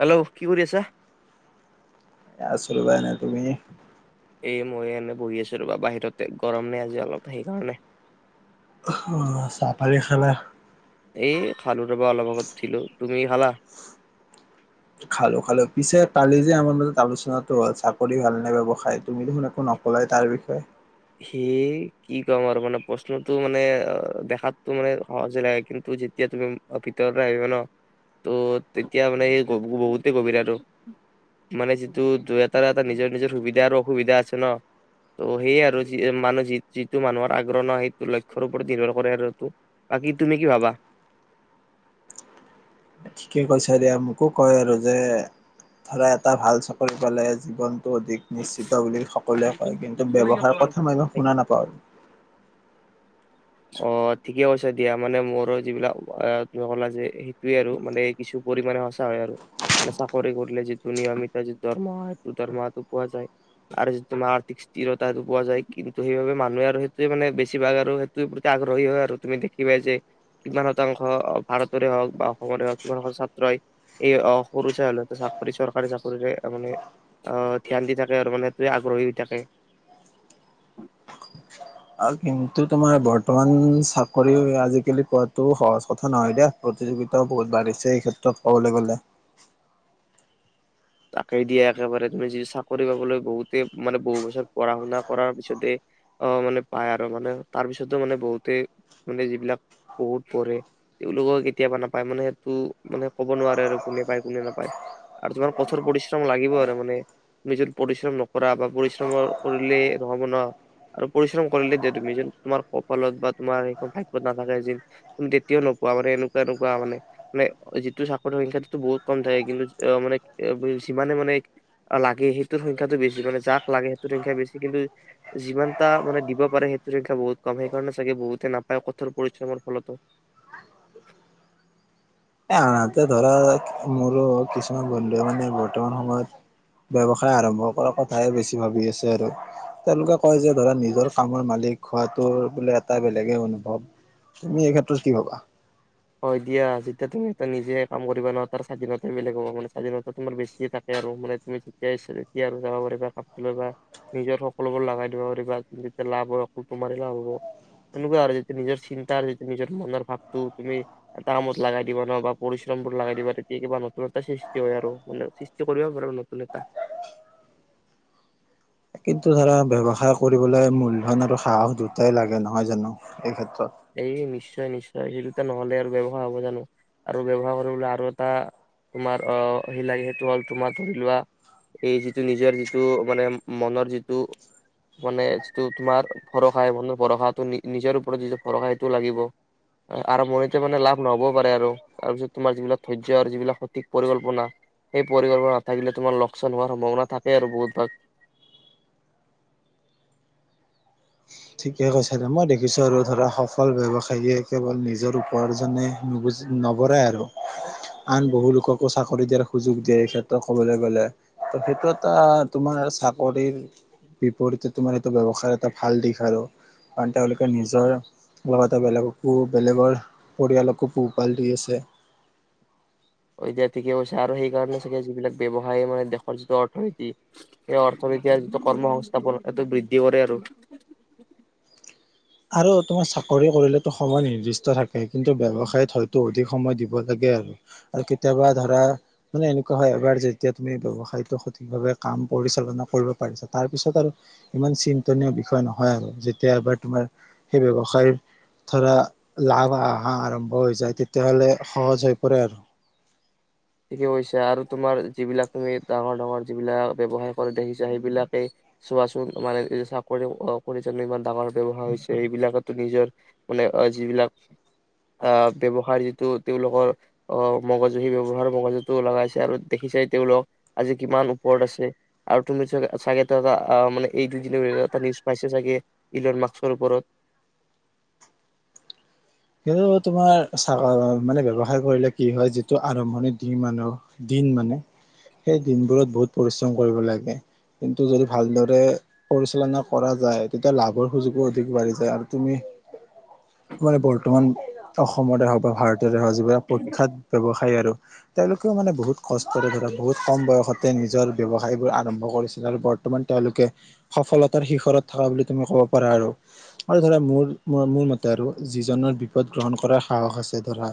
Hello, কি কৰি আছা? আছোঁ ৰবা এনে, তুমি? এই মই এনে বহি আছোঁ ৰ'বা বাহিৰতে। গৰমনে আজি অলপ সেইকাৰণে অ', চাহপানি খালা? এই খালোঁ ৰ'বা অলপ আগত উঠিলোঁ। তুমি খালা? খালোঁ, খালোঁ। পিছে কালি যে আমাৰ মাজত আলোচনাটো হ'ল চাকৰি ভাল নে ব্যৱসায়? তুমি দেখোন একো নক কলায় তাৰ বিষয়ে। সেই কি কম আৰু মানে প্ৰশ্নটো মানে দেখাতটো মানে সহজে লাগে, কিন্তু যেত যেতিয়া তুমি ভিতৰলে আহিবা ন', ত' তেতিয়া মানে এই বহুতেই গভীৰ আৰু। মানে যিটো দুই এটাৰ এটা নিজৰ, নিজৰ সুবিধা আৰু অসুবিধা আছে ন'। ত' সেইয়ে আৰু যি মামুহ যি যিটো মানুহৰ আগ্ৰহ নহয় সেইটো লক্ষ্যৰ ওপৰত নিৰ্ভৰ কৰে আৰু এইটো। বাকী তুমি কি ভাবা? ঠিকে কৈছ দিয়া, মোকো কয় আৰু যে ধৰা এটা ভাল চকৰি পালে জীৱনতটো অধিক নিশ্চিত বুলি স সকলোৱে কয়, কিন্তু ব্যৱসাৰ কথা মই ইমান শুনা নাপাওঁ। অ', ঠিকে কৈছে দিয়া মানে মোৰো যিবিলাক অ', তুমি ক'লা যে সেইয়েই আৰু মানে কিছু পৰিমাণে সঁচা হয় আৰু। মানে চাকৰি কৰিলে যিটো নিয়মিত যিটো দৰমহ হয়, সেইটো দৰমহাটো পোৱা যায়। আৰু যি তুমাৰ স্থিৰতাটো পোৱা যায় কিন্তু সেইবাবে মানুহ আৰু সেইটোৱে মানে বেছিভাগ আৰু তোৰ প্ৰতি আগ্ৰহী হয় আৰু, তুমি দেখিবাই যে কিমান শতাংশ, ভাৰতৰে হওঁক বা অসমৰে হওঁক কিমান শতাংশ ছাত্ৰই এই অ', সৰু চাই হলেও চাকৰি চৰকাৰী চাকৰিৰে মানে অ', ধ্যান দি থাকে আৰু মানে টোৱে আগ্ৰহী হৈ থাকে। অ', কিন্তু তোমাৰ বৰ্তমান চাকৰিও আজিকালি পোৱাটো সহজ কথা নহয় দে। প্ৰতিযোগিতাও বহুত বাঢ়িছে এই ক্ষেত্ৰত ক'বলৈ গ'লে। তাকে দিয়া। একেবাৰে তুমি যি চাকৰি পাবলৈ বহুতে মানে বহুত বছৰ পঢ়া শুনা কৰাৰ পিছতে অ', মানে পায় আৰু মানে তাৰপিছতো মানে বহুতে মানে যিবিলাক বহুত পঢ়ে তেওঁলোকেও কেতিয়াবা নাপায় মানে সেইটো মানে ক'ব নোৱাৰে আৰু কোনে পায় কোনে নাপায়। আৰু যিমান ক ঠোৰ পৰিশ্ৰম লাগিব আৰু মানে। নিজৰ পৰিশ্ৰম নকৰা বা পৰিশ্ৰম কৰিলে ন'হব ন। আৰু পৰিশ্ৰম কৰিলেই দিয়া তুমি যেন তোমাৰ কপালত বা তোমাৰ সখন ভাগ্যত নাথাকে যি তুমি তেতিয়াও নোপোৱা মানে এনেকুৱা, এনেকুৱা মানে। মানে যিটো চাকৰিৰ সংখ্যাটো বহুত কম থাকে কিন্তু অ', মানে যিমানে মানে লাগে সেইটোৰ সংখ্যাতো বেছি, মানে যাক লাগে সেইটো সংখ্যা বেছি। কিন্তু যিমানটা মানে দিব পাৰে সেইটোৰ সংখ্যা বহুত কম, সেইকাৰণে চাগে বহুতে নাপায় কঠোৰ পৰিশ্ৰমৰ ফলতো। এ আনহাতে ধৰা মোৰো কিছুমান বন্ধু মানে বৰ্তমান সময়ত ব্যয়ৱসায় আৰম্ভ কৰাৰ কথাহে বেছি ভাবি আছে আৰু। তেওঁলোকে কয় যে, ধৰা নিজৰ কামৰ মালিক হোৱাটো বোলে এটা বেলেগে অনুভৱ। তুমি এই ক্ষেত্ৰত কি ভাবা? হয়, দিয়া। যেতিয়া তুমি এটা নিজে কাম কৰিবা ন তাল স্বাধীনতা বেলেগ হ'ব মানে, স্বাধীনতা তোমাৰ বেছিয়ে থাক ইয়াৰ উপৰে তুমি যেতিয়া তেতিয়া আৰু যাব পাৰিবা কাপটো লবা নিজৰ সকলোবোৰ লগাই দিব পাৰিবা যেতিয়া লাভ হয় অকল তোমাৰেই লাভ হ'ব এনেকুৱা আৰু যিটো নিজৰ চিন্তা যিটো নিজৰ মনৰ ভাৱটো তুমি এটা কামত লগাই দিব নহ বা পৰিশ্ৰম বোৰ লগাই তেতিয়া কিবা নতুনটা সৃষ্টি হয় আৰু মানে কিবা কৰিব পাৰিবা নতুন এটা। কিন্তু ধৰা ব্যৱসায় কৰিবলৈ মূলধন আৰু সাহস দুটাই লাগে নহয় জানো এই ক্ষেত্ৰত এই নিশ্চয় নিশ্চয় সেই দুটা নহলে আৰু ব্যৱসায় হ'ব জানো আৰু ব্যৱসায় কৰিবলৈ আৰু এটা তোমাৰ আহ সিলাগে সেইটো হ'ল তোমাৰ ধৰি লোৱা এই যিটো নিজৰ যিটো মানে মনৰ যিটো মানে যিটো তোমাৰ ভৰসা আহিব ন ভৰসটো নিজৰ ওপৰত যিটো ভৰসা সেইটো লাগিব আৰম্ভনিতে মানে লাভ নহবও পাৰে আৰু তাৰপিছত তোমাৰ যিবিলাক ধৈৰ্য আৰু যিবিলাক সঠিক পৰিকল্পনা সেই পৰিকল্পনা নাথাকিলে তোমাৰ লোকচাণ হোৱাৰ সম্ভাৱনা থাকে আৰু বহুত ভাগ ঠিকে কৈছা দে, মই দেখিছোঁ আৰু ধৰা সফল ব্যৱসায়ীয়ে কেৱল নিজৰ উপাৰ্জনে নুবুজি নবৰাই আৰু আন বহু লোককো চাকৰি দিয়াৰ সুযোগ দিয়ে এই ক্ষেত্ৰত কবলৈ গলে। ত সেইটো এটা তোমাৰ চাকৰিৰ বিপৰতে তোমাৰ এইটো ব্যৱসায় এটা ভাল দিশ আৰু বা তেওঁলোকে নিজৰ লগতে বেলেগকো বেলেগৰ পৰিয়ালকো পোহপাল দি আছে এতিয়া ঠিকে কৈছে আৰু সেইকাৰণে চাগে যিবিলাক ব্যৱসায় মানে দেশৰ যিটো অৰ্থনীতি সেই অৰ্থনীতি যিটো কৰ্ম সংস্থাপন এইটো বৃদ্ধি কৰে আৰু। আৰু তোমাৰ চাকৰি কৰিলেটো সময় নিৰ্দিষ্ট থাকে কিন্তু ব্যৱসায়ত হয়তো অধিক সময় দিব লাগে আৰু, আৰু কেতিয়াবা ধৰা মানে এনেকুৱা হয় এবাৰ যেতিয়া তুমি ব্যৱসায়টো সঠিকভাৱে কাম পৰিচালনা কৰিব পাৰিছা তাৰপিছত আৰু ইমান চিন্তনীয় বিষয় নহয় আৰু যেতিয়া এবাৰ তোমাৰ সেই ব্যৱসায়ৰ ধৰা লাভ অহা আৰম্ভ হৈ যায় তেতিয়াহ'লে সহজ হৈ পৰে আৰু ঠিকেই কৈছা আৰু তোমাৰ যিবিলাক তুমি ডাঙৰ ডাঙৰ যিবিলাক ব্যয়ৱসায় কৰি দেখিছা সেইবিলাকেই চোৱাচোন মানে চাকৰি কৰিছ ইমান ব্যয়ৱহাৰ এইবিলাকো নিজৰ মানে যিবিলাক আহ ব্যৱসায়ৰ যিটো তেওঁলোকৰ অ মগজু সেই ব্যয়ৱসাৰ মগজুটো লগাইছে আৰু দেখিছাই তেওঁলোকক আজি কিমান ওপৰত আছে। আৰু তুমি চ চাগে ত এটা মানে এই দুই দিনৰ ভিতৰত, এটা নিউজ পাইছা চাগে। ইলন মাক্সৰ ওপৰত সেই তোমাৰ চ মানে ব্যয়ৱসায় কৰিলে কি হয় যিটো আৰম্ভণিত দি মানুহ দিন মানে সেই দিনবোৰত বহুত পৰিশ্ৰম কৰিব লাগে কিন্তু যদি ভালদৰে পৰিচালনা কৰা যায় তেতিয়া লাভৰ সুযোগো অধিক বাঢ়ি যায় আৰু তুমি মানে বৰ্তমান অসমতে হওক বা ভাৰততে হওক যিবিলাক প্ৰখ্যাত ব্যৱসায়ী আৰু তেওঁলোকেও মানে বহুত কষ্টৰে ধৰা বহুত কম বয়সতে নিজৰ ব্যৱসায়বোৰ আৰম্ভ কৰিছিল আৰু ব ৰ্তমান তেওঁলোকে সফলতাৰ শিখৰত থকা বুলি তুমি ক'ব পাৰা আৰু আৰু ধৰা মোৰ, মোৰ মতে আৰু যিজনৰ বিপদ গ্ৰহণ কৰাৰ সাহস আছে ধৰা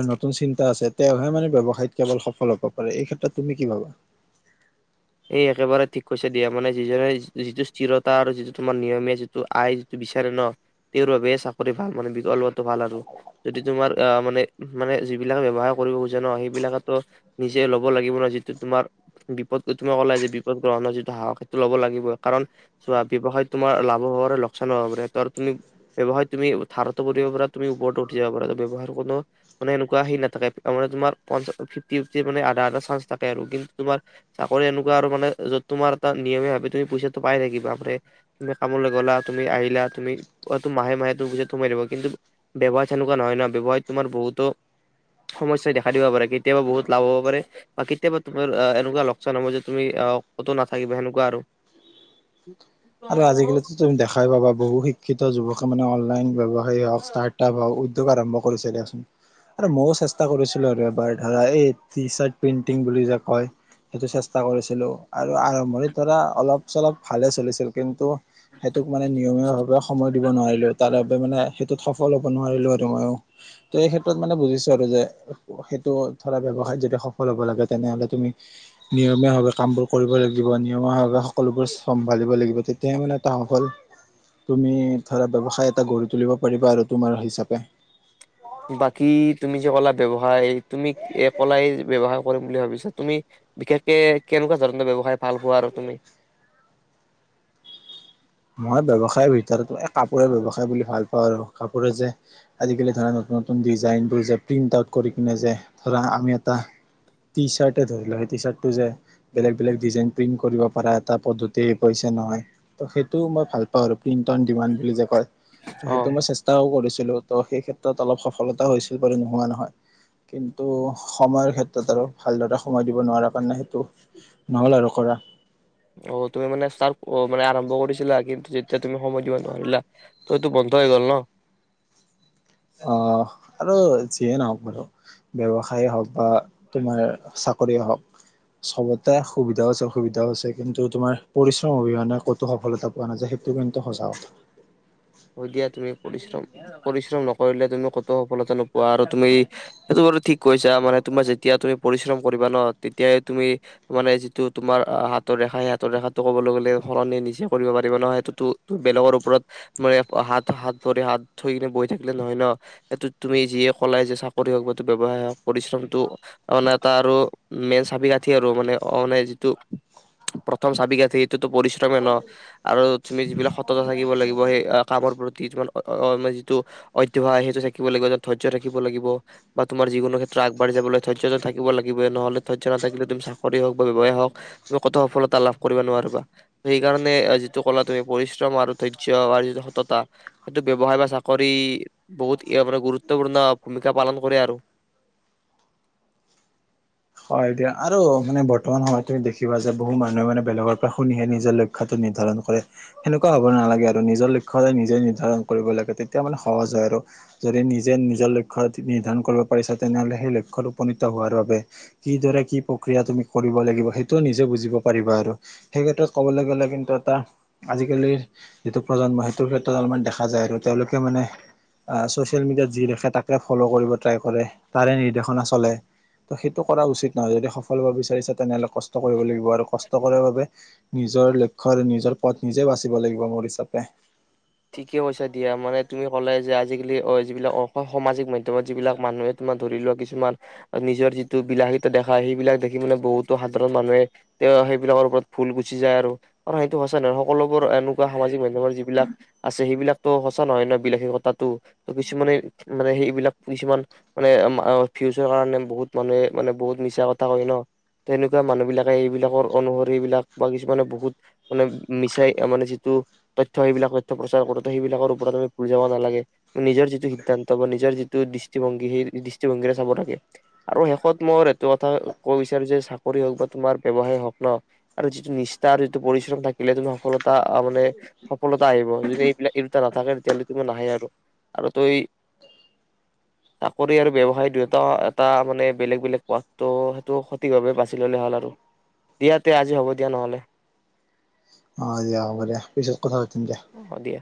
আৰু নতুন চিন্তা আছে তেওঁহে মানে ব্যয়ৱসায়ত কেৱল সফল হ'ব পাৰে। তুমি কি ভাবা? এই একেবাৰে ঠিক কৈছে দিয়া। মানে যিজনে যিটো স্থিৰতা আৰু যিটো তোমাৰ নিয়মীয়া যিটো আই টো বিচাৰে তেওঁৰ বাবে চাকৰি মানে বি লোৱাটো ভাল আৰু। যদি তোমাৰ আহ মানে মানে যিবিলাক ব্যৱসায় কৰিব খোজে ন সেইবিলাকেটো নিজে ল'ব লাগিব নহয়, যিটো তোমাৰ বিপদ। তুমি ক'লেই যে বিপদ গ্ৰহণ যিটো সাহস সেইটো ল'ব লাগিবই। কাৰণ চোৱা, ব্যয়ৱসায়ত তোমাৰ লাভো হ'ব পাৰে লোকচানো হ'ব পাৰে। ত আৰু তুমি ব্যয়ৱসায় তুমি ধাৰতো পৰিব পৰা তুমি ওপৰত উঠি যাব পাৰা। ব্যৱসায়ৰ কোনো মানে এনেকুৱা হে নাথাকে মানে, তাৰ ফিফটি মানে আধা আধা চান্স থাকে আৰু। কিন্তু তোমাৰ চাকৰি এনেকুৱা আৰু মানে য'ত তোমাৰ এটা নিয়মে ভাৱাবে তুমি পইচাটো পাই থাকিবা। বাপৰে তুমি কামলৈ গ'লা তুমি আহিলা তুমি অ' মাহে মাহে তোৰ গুত সোমাই দিব। কিন্তু ব্যৱসায় তেনেকুৱা নহয় ন, ব্যৱসয়ত তোমাৰ বহুতো সমস্যয়াই দেখা দিব পাৰে, কেতিয়াবা বহুত লাভ হ'ব পাৰে বা কেতিয়াবা তোমাৰ এনেকুৱা লোক চান হ'ব যে তুমি আহ ক'তো নাথাকিবা সেনেকুৱা আৰু। আৰু আজিকালিটো তুমি দেখাই পাবা বহু শিক্ষিত যুৱকে মানে অনলাইন ব্যৱ সায় হওঁক ষ্টাৰ্টআপ হওঁক উদ্যোগ আৰম্ভ কৰিছে দিয়াচোন। আৰু মইও চেষ্টা কৰিছিলো আৰু এবাৰ ধৰা এই টি চাৰ্ট পেইন্টিং বুলি যে কয়। সেইটো চেষ্টা কৰিছিলো, আৰু আৰম্ভণিত ধৰা অলপ চলপ ভালে চলিছিল। কিন্তু সেইটোক মানে নিয়মীয়া ভাৱে সময় দিব নোৱাৰিলো, তাৰ বাবে মানে সেইটোত সফল হ'ব নোৱাৰিলো আৰু মইও, ত' এই ক্ষেত্ৰত মানে বুজিছো আৰু যে সেইটো ধৰা ব্যয়ৱসায়ত যদি সফল হ'ব লাগে, তেনেহলে তুমি নিয়মীয়া ভাৱে কামবোৰ কৰিব লাগিব, নিয়মীয়াভাৱে সকলোবোৰ চম্ভালিব লাগিব। তেতিয়াহে মানে তেওঁ সফল তুমি ধৰা ব্যয়ৱসায় এটা গঢ়ি তুলিব পাৰিবা আৰু তোমাৰ হিচাপে। বাকী তুমি যে ক'লা ব্যৱসায় তুমি ক'লাই ব্যৱসায় কৰিম বুলি ভাবিছা, তুমি বিশেষকে কেনেকুৱা ধৰণৰ ব্যৱসায় ভাল পোৱা আৰু তুমি? মই ব্যৱসায়ৰ ভিতৰতো কাপোৰে ব্যয়ৱসায় বুলি ভাল পাওঁ আৰু। কাপোৰে যে আজিকালি ধৰা নতুন নতুন ডিজাইনবোৰ যে প্ৰিণ্ট আউট কৰি কিনে যে ধৰা আমি এটা টি চাৰ্ট ধৰিলোৱা, সেই টি চাৰ্টটো যে বেলেগ বেলেগ ডিজাইন প্ৰিন্ট কৰিব পাৰা, এটা পদ্ধতি কৈছে নহয়। ত সেই টো মই ভাল পাওঁ আৰু, প্ৰিন্ট অ'ন ডিমাণ্ড বুলি যে কয়, ত অ সেইটো মই চে ষ্টাও কৰিছিলো, ত' সেই ক্ষেত্ৰত অলপ সফলতা হৈছিল বাৰু নোহোৱা নহয়। কিন্তু সময়ৰ ক্ষেত্ৰত আৰু ভালদৰে সময় দিব নোৱাৰা কাৰণে সেইটো নহ'ল আৰু কৰা। অ' তুমি মানে তাৰ অ' মানে আৰম্ভ কৰিছিলা। কিন্তু যেতিয়া তুমি সময় দিব নোৱাৰিলা ত' এইটো বন্ধ হৈ গল ন? অ' আৰু যিয়ে নহওঁক বাৰু, ব্যৱসায় হওঁক বা তোমাৰ চা কৰি হওঁক সবতে সুবিধাও আছে অসুবিধাও আছে। কিন্তু তোমাৰ পৰিশ্ৰম অবিহনে ক'তো সফলতা পোৱা নাযায় সেইটো কিন্তু সঁচা কথা। হয় দিয়া। তুমি পৰিশ্ৰম পৰিশ্ৰম নকৰিলে তুমি ক'তো সফলতা নোপোৱা। আৰু তুমি সেইটো বাৰু ঠিক কৈছা, মানে তোমাৰ যেতিয়া তুমি পৰিশ্ৰম কৰিবা ন তেতিয়াই তুমি মানে যিটো তোমাৰ হাতৰ ৰেখা, সেই হাতৰ ৰেখাটো ক'বলৈ গ'লে সলনি নিজে কৰিব পাৰিব ন, সেইটোতো বেলেগৰ ওপৰত মানে হাত হাত ভৰি হাত থৈ কিনে বহি থাকিলে নহয় ন? এইটোত তুমি যিয়ে কলাই যে চাকৰি হওঁক বা ব্যৱসায় হওঁক পৰিশ্ৰমটো মানে এটা আৰু মেইন চাবি কাঠি আৰু, মানে অহনাই যিটো প্ৰথম চাবি কাঠি সেইটোতো পৰিশ্ৰমে ন, আৰু তুমি যিবিলাক সততা থাকিব লাগিব সেই কামৰ প্ৰতি মানে যিটো অধ্যবসয় সেইটো থাকিব, লাগিব ধৈৰ্য্য থাকিব লাগিব। বা তোমাৰ যিকোনো ক্ষেত্ৰত আগবাঢ়ি যাবলৈ ধৈৰ্য্যটো থাকিব লাগিবই। নহ'লে ধৈৰ্য্য নাথাকিলে তুম চাকৰি হওঁক বা ব্যৱসায় হওঁক তুমি কতো সফলতা লাভ কৰিব নোৱাৰিবা সেইকাৰণে যিটো ক'লা তুমি পৰিশ্ৰম আৰু ধৈৰ্য্য আৰু যিটো সততা সেইটো ব্যৱসায় বা চাকৰি বহুত ইয়াৰ পৰা গুৰুত্বপূৰ্ণ ভূমিকা পালন কৰে আৰু হয় দিয়া আৰু মানে বৰ্তমান সময়ত তুমি দেখিবা যে বহু মানুহ মানে বেলেগৰ পৰা শুনিহে নিজ লৈ ক্ষ্যটো নিৰ্ধাৰণ কৰে সেনেকুৱা হ'ব নালাগে আৰু নিজৰ লক্ষ্য সদায় নিজে নিৰ্ধাৰণ কৰিব লাগে তেতিয়া মানে সহজ হয় আৰু যদি নিজে নিজৰ লক্ষ্যতো নিৰ্ধাৰণ কৰিব পাৰিছা তেনেহলে সেই লক্ষ্যত উপনীত হোৱাৰ বাবে কিদৰে কি প্ৰক্ৰিয়া তুমি কৰিব লাগিব সেইটোও নিজে বুজিব পাৰিবা আৰু সেই ক্ষেত্ৰত ক'বলৈ গ'লে কিন্তু এটা আজিকালিৰ যিটো প্ৰজন্ম সেইটোৰ ক্ষেত্ৰত অলপমান দেখা যায় আৰু তেওঁলোকে মানে আ ছ'চিয়েল মিডিয়াত যি দেখে তাকে ফ'ল' কৰিব ট্ৰাই কৰে তাৰে নিৰ্দেশনা চলে তো কৰা উচিত নহয় যদি সফল হব বিচাৰিছা তেনেহলে কষ্ট কৰিব লাগিব আৰু কষ্ট কৰাৰ বাবে নিজৰ লক্ষ্য আৰু নিজৰ পথ নিজে বাচিব লাগিব ভৱিষ্যতে ঠিকে কৈছা দিয়া মানে তুমি ক'লাই যে আজিকালি অ যিবিলাক অ সামাজিক মাধ্যমত যিবিলাক মানুহে তোমাৰ ধৰি লোৱা কিছুমান নিজৰ যিটো বিলাসিতা দেখা সেইবিলাক দেখি মানে বহুতো সাধাৰণ মানুহে তেও সেইবিলাকৰ ওপৰত ভুল গুচি যায় আৰু আৰু সেইটো হৈছে নহয় সকলোবোৰ এনেকুৱা সামাজিক মাধ্যমৰ যিবিলাক আছে সেইবিলাকতো সঁচা নহয় ন বিলাসীকতাটো ত কিছুমানে মানে সেইবিলাক কিছুমান মানে অ ফিউচাৰ কাৰণে বহুত মানুহে মানে বহুত মিছা কথা কয় ন তেনেকুৱা মানুহবিলাকে এইবিলাকৰ অনুসৰি এইবিলাক বা কিছুমানে বহুত মানে মিছাই মানে যিটো তথ্য সেইবিলাক স প্ৰচাৰ কৰোতে সেইবিলাকৰ ওপৰত আমি ভুল যাব নালাগে নিজৰ যিটো সিদ্ধান্ত বা নিজৰ যিটো দৃষ্টিভংগী সেই দৃষ্টিভংগীৰে চাব লাগে আৰু শেষত মোৰ এইটো কথা কব বিচাৰো যে চাকৰি হওঁক বা তোমাৰ ব্যৱসায় হওঁক ন আৰু যিটো নিষ্ঠা আৰু এইটো পৰিশ্ৰম থাকিলে তুমি সফলতা মানে সফলতা আহিব যদি এইবিলাক এই দুটা নাথাকে তেতিয়ালৈকে তোমা নাহে আৰু আৰু তই চাকৰি আৰু ব্যৱসায় দুয়োটা এটা মানে বেলেগ বেলেগ পথটো সেইটো সঠিকভাৱে বাছি ললে হ'ল আৰু দিয়া তে আজি হ'ব দিয়া নহ'লে অ আজি হ'ব দিয়া পিছত কথা পাতিম দিয়া অঁ দিয়া